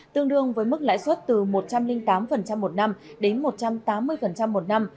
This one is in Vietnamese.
tương đương với mức lãi suất từ một trăm linh tám một năm đến một trăm tám mươi một năm